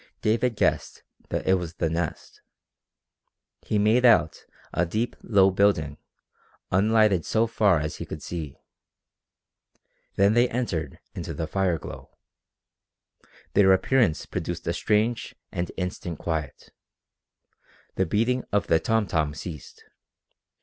David guessed that it was the Nest. He made out a deep, low building, unlighted so far as he could see. Then they entered into the fireglow. Their appearance produced a strange and instant quiet. The beating of the tom tom ceased.